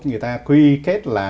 người ta quy kết là